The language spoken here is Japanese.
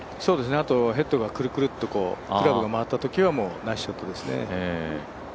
あと、ヘッドがくるくるっとクラブが回ったときはもうナイスショットですね。